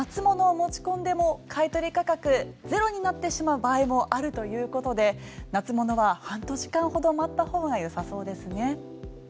持ち込んでも買取価格ゼロになってしまう場合もあるということで夏物は半年ほど待った方がよさそうですね。